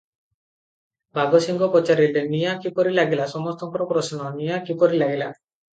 ବାଘସିଂହ ପଚାରିଲେ, "ନିଆଁ କିପରି ଲାଗିଲା?" ସମସ୍ତଙ୍କର ପ୍ରଶ୍ନ - ନିଆଁ କିପରି ଲାଗିଲା?